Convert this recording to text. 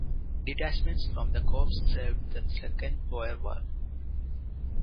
Detachments from the corps served in the Second Boer War.